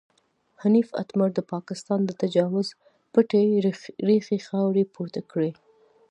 حنیف اتمر د پاکستان د تجاوز پټې ریښې خاورې پورته کړې.